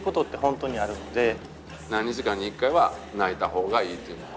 何日かに１回は泣いた方がいいというのは。